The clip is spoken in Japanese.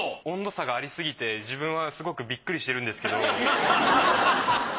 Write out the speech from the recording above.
温度差がありすぎて自分はすごくビックリしてるんですけど。